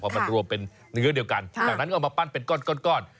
จากนั้นก็เอามาปั้นเป็นก้อน